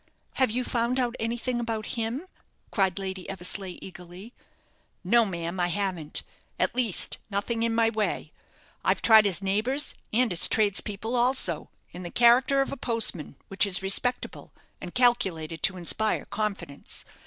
"Have you found out anything about him?" cried Lady Eversleigh, eagerly. "No, ma'am, I haven't. At least, nothing in my way. I've tried his neighbours, and his tradespeople also, in the character of a postman, which is respectable, and calculated to inspire confidence.